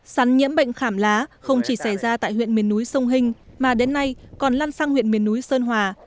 sắn nhiễm bệnh khảm lá không chỉ xảy ra tại huyện miền núi sông hình mà đến nay còn lan sang huyện miền núi sơn hòa